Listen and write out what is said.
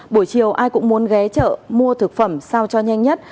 buổi chiều ai cũng muốn ghé chợ mua thực phẩm sao cho nhanh nhất